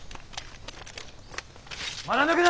まだ抜くな！